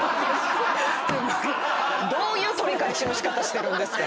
どういう取り返しの仕方してるんですか。